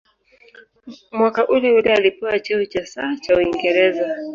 Mwaka uleule alipewa cheo cha "Sir" cha Uingereza.